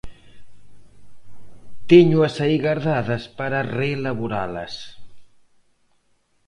Téñoas aí gardadas para reelaboralas.